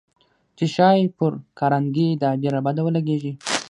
چې ښايي پر کارنګي دا ډېره بده ولګېږي.